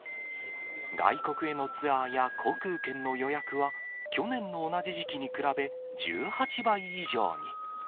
外国へのツアーや航空券の予約は、去年の同じ時期に比べ１８倍以上に。